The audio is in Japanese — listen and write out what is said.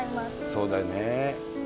そうだよね。